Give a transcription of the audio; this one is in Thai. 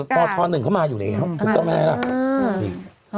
ปพหนึ่งเขามาอยู่แล้วถึงต้องมาแล้ว